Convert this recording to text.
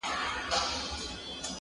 هر څه د راپور په شکل نړۍ ته وړاندي کيږي,